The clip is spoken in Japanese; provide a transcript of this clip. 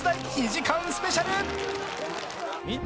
２時間スペシャル。